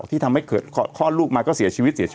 ที่ทำให้เกิดข้อนลูกมาก็เสียชีวิตแบบนี้